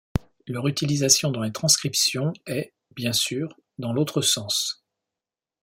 Leur utilisation dans les transcriptions est, bien sûr, dans l’autre sens.